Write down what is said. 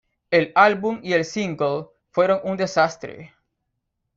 El álbum y el single fueron un desastre.